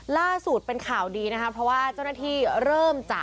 ล่าสุดเป็นข่าวดีนะคะเพราะว่าเจ้าหน้าที่เริ่มจะ